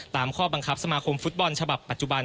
ตามข้อบังคับสมาคมฟุตบอลฉบับปัจจุบัน